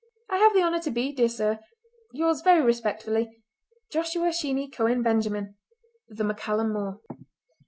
"I have the honour to be, dear sir, "Yours very respectfully, "Joshua Sheeny Cohen Benjamin "(The MacCallum More.)"